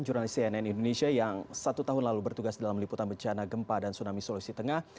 jurnalis cnn indonesia yang satu tahun lalu bertugas dalam meliputan bencana gempa dan tsunami sulawesi tengah